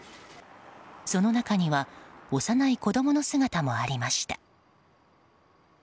その中には幼い子供の姿もありました。